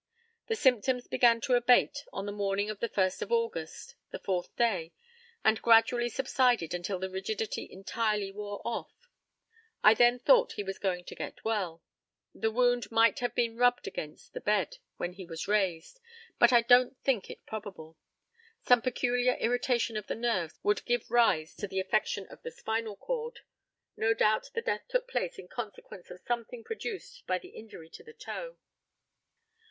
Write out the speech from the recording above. The symptoms began to abate on the morning of the 1st of August (the fourth day), and gradually subsided until the rigidity entirely wore off. I then thought he was going to get well. The wound might have been rubbed against the bed when he was raised, but I don't think it probable. Some peculiar irritation of the nerves would give rise to the affection of the spinal cord. No doubt the death took place in consequence of something produced by the injury to the toe.